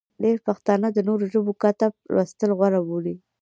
ډېری پښتانه د نورو ژبو کتب لوستل غوره بولي.